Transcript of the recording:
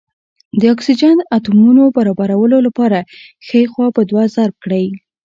د اکسیجن اتومونو برابرولو لپاره ښۍ خوا په دوه ضرب کړئ.